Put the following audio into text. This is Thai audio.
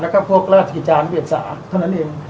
และก็พวกราชกิจารณ์เบียดสารเท่านั้นเอง